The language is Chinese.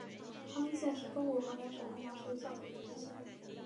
汤阴县是中国河南省安阳市下属的一个县。